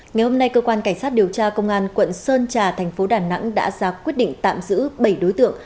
ngày hôm nay cơ quan cảnh sát điều tra công an quận sơn trà thành phố đà nẵng đã ra quyết định tạm giữ bảy đối tượng